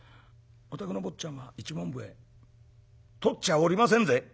お宅の坊ちゃんは一文笛とっちゃおりませんぜ」。